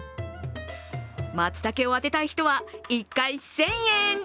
まつたけを当てたい人は１回１０００円！